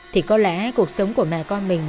thì có lẽ cuộc sống của mẹ con mình